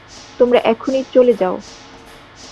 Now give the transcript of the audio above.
তোমরা এখুনি চলে যাও!